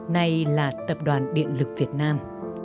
nay là tập đoàn điện lực việt nam